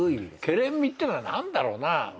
ケレン味って何だろうな。